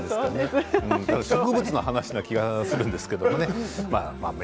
植物の話な気がするんですけどね。